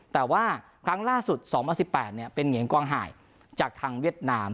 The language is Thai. แต่ว่าครั้งล่าสุดสองพันสิบแปดเนี่ยเป็นเหงียงกองหายจากทางเวียดนาม